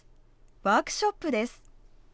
ワークショップです。